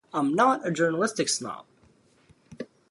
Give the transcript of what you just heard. I'm not a journalistic snob.